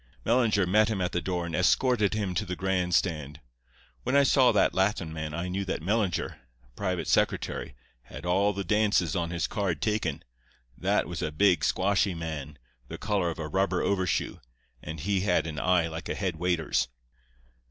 Mellinger met him at the door, and escorted him to the grand stand. When I saw that Latin man I knew that Mellinger, private secretary, had all the dances on his card taken. That was a big, squashy man, the colour of a rubber overshoe, and he had an eye like a head waiter's.